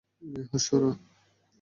এ, হাত সরা।